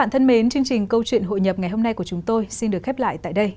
thân mến chương trình câu chuyện hội nhập ngày hôm nay của chúng tôi xin được khép lại tại đây